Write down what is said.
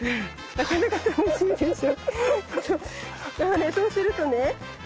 なかなか楽しいでしょ。